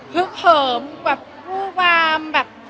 หึ้กหอมกว่ากว่าผู้หวามแบบ